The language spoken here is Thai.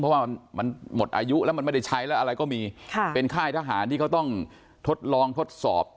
เพราะว่ามันหมดอายุแล้วมันไม่ได้ใช้แล้วอะไรก็มีค่ะเป็นค่ายทหารที่เขาต้องทดลองทดสอบ